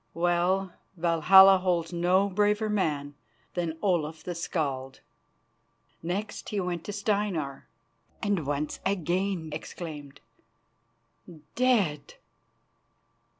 Well, Valhalla holds no braver man than Olaf the Skald." Next he went to Steinar and once again exclaimed, "Dead!"